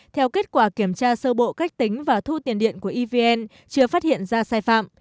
theo kết quả kiểm tra sơ bộ cách tính và thu tiền điện của evn chưa phát hiện ra sai phạm